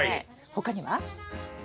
他には。